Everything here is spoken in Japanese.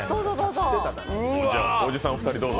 おじさん２人どうぞ。